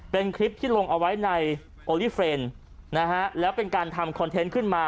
เป็นคลิปที่ลงเอาไว้ในโอลิเฟรนด์นะฮะแล้วเป็นการทำคอนเทนต์ขึ้นมา